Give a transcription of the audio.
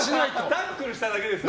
タックルしただけですよ。